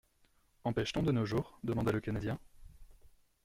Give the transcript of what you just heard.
—En pêche-t-on de nos jours ? demanda le Canadien.